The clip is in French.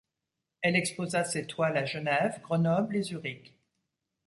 Elle exposa ses toiles à Genève, Grenoble et Zurich.